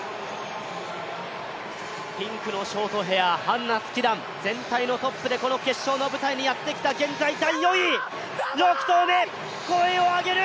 ピンクのショートヘア、ハンナ・スキダン、この決勝の舞台にやってきた、現在第４位、６投目、声を上げる。